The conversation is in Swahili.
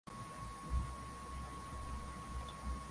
aliletewa sanduku la mziki lenye umbo la nguruwe